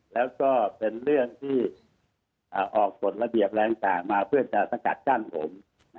แล้วก็เป็นเรื่องที่ออกกฎระเบียบอะไรต่างมาเพื่อจะสกัดกั้นผม